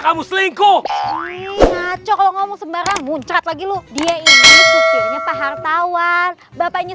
kamu selingkuh ngaco ngomong sembarang muncrat lagi lu dia ini suksesnya pak hartawan bapaknya